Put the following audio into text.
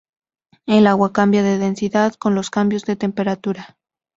El agua cambia de densidad con los cambios de temperatura.